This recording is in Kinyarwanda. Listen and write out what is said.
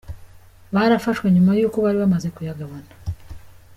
Barafashwe nyuma y’uko bari bamaze kuyagabana.